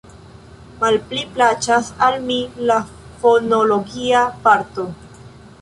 Malpli plaĉas al mi la fonologia parto.